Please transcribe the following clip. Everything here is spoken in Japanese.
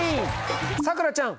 さくらちゃん